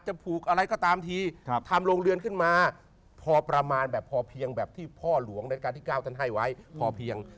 ผูกอะไรก็ตามทีทำโรงเรือนขึ้นมาพอประมาณแบบพอเพียงแบบที่พ่อหลวงราชการที่๙ท่านให้ไว้พอเพียง